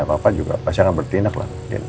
papa juga pasti akan bertinak lah